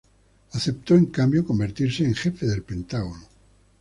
Aceptó en cambio convertirse en jefe del Pentágono.